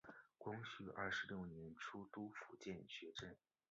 光绪二十六年出督福建学政。